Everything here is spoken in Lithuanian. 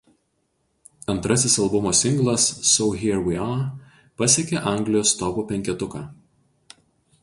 Antrasis albumo singlas „So Here We Are“ pasiekė Anglijos topų penketuką.